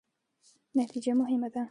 نتیجه مهمه ده